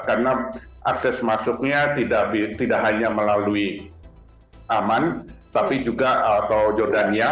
karena akses masuknya tidak hanya melalui aman tapi juga atau jordanian